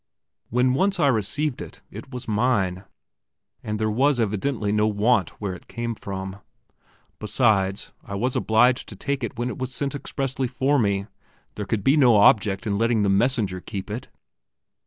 When once I received it, it was mine; and there was evidently no want where it came from. Besides, I was obliged to take it when it was sent expressly to me; there could be no object in letting the messenger keep it.